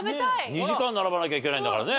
２時間並ばなきゃいけないんだからね。